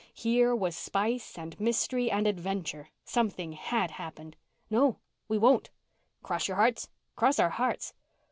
Here was spice and mystery and adventure. Something had happened. "No, we won't." "Cross your hearts?" "Cross our hearts."